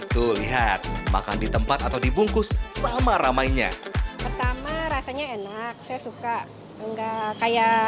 tuh lihat makan di tempat atau dibungkus sama ramainya pertama rasanya enak saya suka enggak kayak